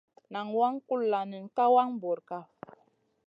Nan waŋ kulla nen ka wang bura kaf.